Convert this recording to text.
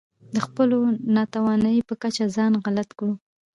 د خپلې ناتوانۍ په کچه ځان غلط کړو.